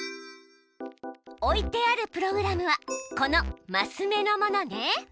置いてあるプログラムはこのマス目のものね。